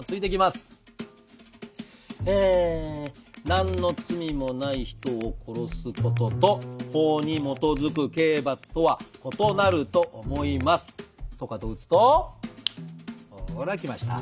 「何の罪もない人を殺すことと法に基づく刑罰とは異なると思います」。とかと打つとほら来ました。